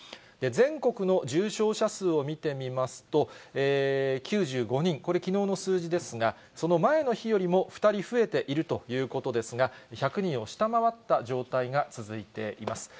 全国の重症者数を見てみますと、９５人、これ、きのうの数字ですが、その前の日よりも２人増えているということですが、１００人を下回った状態が続いています。